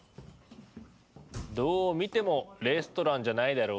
どう見てもレストランじゃないだろ？